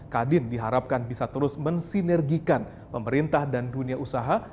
kadin diharapkan bisa terus mensinergikan pemerintah dan dunia usaha